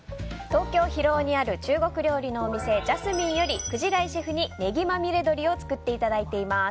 東京・広尾にある中国料理のお店ジャスミンより鯨井シェフにネギまみれ鶏を作っていただいています。